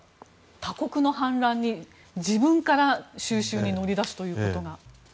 他国の反乱に自分から収拾に乗り出すということが。